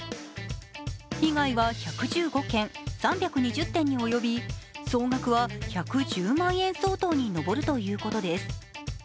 被害は１１５件、３２０点に及び総額は１１０万円相当に上るということです。